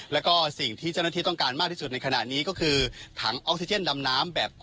แล้วก็สิ่งที่เจ้าหน้าที่ต้องการมากที่สุดในขณะนี้ก็คือถังออกซิเจนดำน้ำแบบ